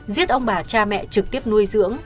giết ông bà cha mẹ trực tiếp nuôi dưỡng